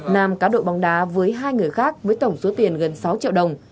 nam cá đội bóng đá với hai người khác với tổng số tiền gần sáu triệu đồng